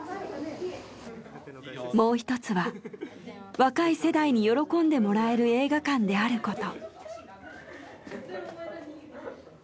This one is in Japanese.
もう１つは若い世代に喜んでもらえる映画館であること。